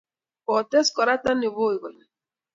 Kotes Kora tandiboi kole